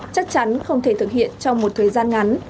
chắc chắn không thể thực hiện trong một thời gian ngắn